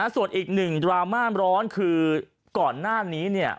ส่วนอีกหนึ่งดราม่าร้อนคือก่อนหน้านี้